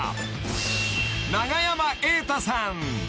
［永山瑛太さん］